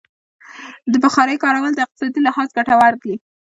د بخارۍ کارول د اقتصادي لحاظه ګټور دي.